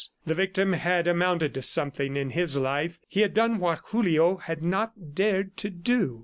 The victim had amounted to something in his life; he had done what Julio had not dared to do.